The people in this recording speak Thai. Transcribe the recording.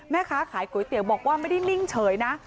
แม่ค้าขายก๋วยเตี๋ยวบอกว่าไม่ได้นิ่งเฉยนะ